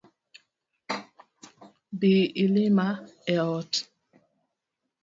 Bi ilima e ot